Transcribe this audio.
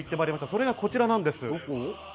それがこちらなんです。